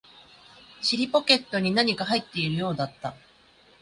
尻ポケットに何か入っているようだった